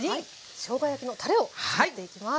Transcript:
しょうが焼きのたれを作っていきます。